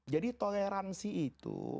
jadi toleransi itu